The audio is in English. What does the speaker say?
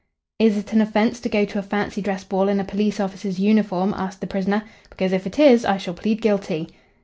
"Is it an offence to go to a fancy dress ball in a police officer's uniform?" asked the prisoner. "Because if it is, I shall plead guilty."